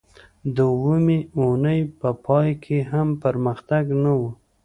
د اوومې اونۍ په پای کې هم پرمختګ نه و